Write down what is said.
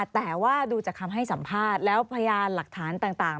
แต่ว่าดูจากคำให้สัมภาษณ์แล้วพยานหลักฐานต่าง